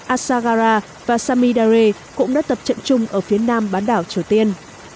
asagara và samidare cũng đã tập trận chung ở phía nam bán đảo triều tiên